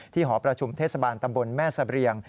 หอประชุมเทศบาลตำบลแม่สะเรียง